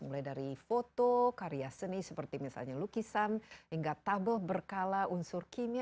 mulai dari foto karya seni seperti misalnya lukisan hingga tabel berkala unsur kimia